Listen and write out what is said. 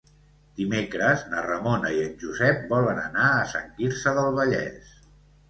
Dimecres na Ramona i en Josep volen anar a Sant Quirze del Vallès.